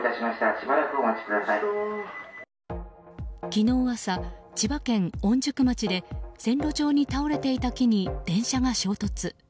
昨日朝、千葉県御宿町で線路上に倒れていた木に電車が衝突。